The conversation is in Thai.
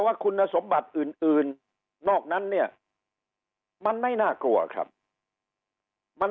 ว่าคุณสมบัติอื่นอื่นนอกนั้นเนี่ยมันไม่น่ากลัวครับมัน